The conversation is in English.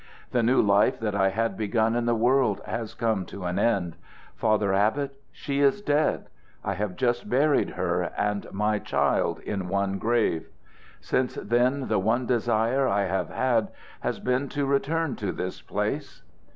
The new life that I had begun in the world has come to an end. Father Abbot, she is dead. I have just buried her and my child in one grave. Since then the one desire I have had has been to return to this place.